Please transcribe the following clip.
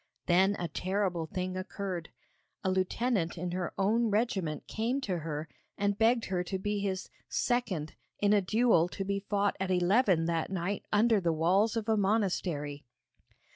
Then a terrible thing occurred. A lieutenant in her own regiment came to her and begged her to be his 'second' in a duel to be fought at eleven that night under the walls of a monastery.